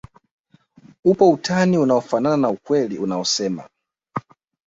upo utani unaofanana na ukweli unaosema